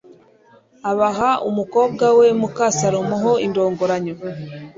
abaha umukobwa we muka salomo ho indongoranyo